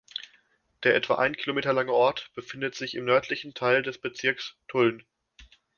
Der etwa ein Kilometer lange Ort befindet sich im nördlichen Teil des Bezirkes Tulln.